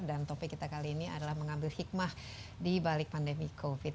dan topik kita kali ini adalah mengambil hikmah dibalik pandemi covid sembilan belas